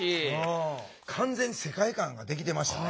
完全に世界観ができてましたね。